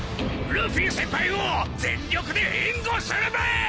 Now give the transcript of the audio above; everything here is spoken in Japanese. ルフィ先輩を全力で援護するべ！